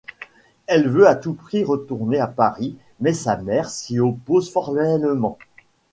Elle veut à tout prix retourner à Paris mais sa mère s’y oppose formellement.